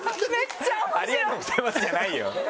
「ありがとうございます」じゃないよ。